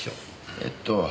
えっと。